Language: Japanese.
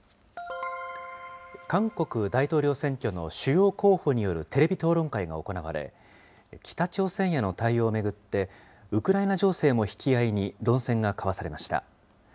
韓国大統領選挙の主要候補によるテレビ討論会が行われ、北朝鮮への対応を巡って、ウクライナ情勢も引き合いに論戦が交わされました。